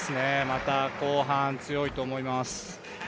また後半、強いと思います。